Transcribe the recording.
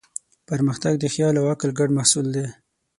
پرمختګ د خیال او عقل ګډ محصول دی.